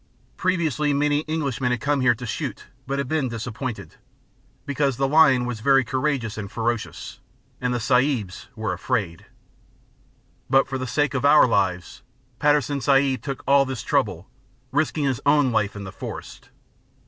Previously, many Englishmen had come here to shoot but had been disappointed, Because the lion was very courageous and ferocious, and the Sahibs were afraid; But for the sake of our lives, Patterson Sahib took all this trouble, risking his own life in the forest.